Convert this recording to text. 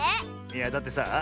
いやだってさあ